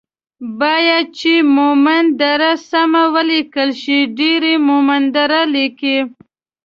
بايد چې مومند دره سمه وليکل شي ،ډير يي مومندره ليکي